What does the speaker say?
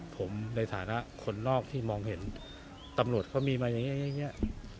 ผมในฐานะคนนอกที่มองเห็นตำรวจเขามีมาอย่างนี้อย่างนี้